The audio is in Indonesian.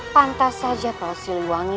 pantas saja kalau siliwangi